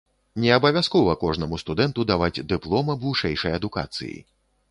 Не абавязкова кожнаму студэнту даваць дыплом аб вышэйшай адукацыі.